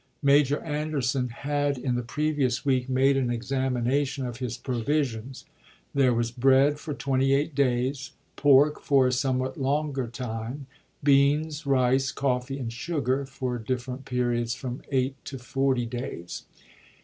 Major Anderson had in the previous week made an examination of his provisions. There was bread for twenty eight days ; pork for a somewhat longer time; beans, rice, coffee, and sugar for different periods from eight to forty days.